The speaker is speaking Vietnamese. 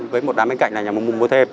với một đám bên cạnh là nhà mùng mùng mua thêm